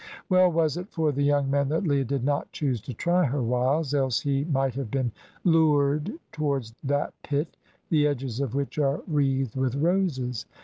Well was it for the young man that Leah did not choose to try her wiles, else he might have been lured towards that pit the edges of which are wreathed with roses.